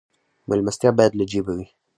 میلمستیا باید له جیبه وي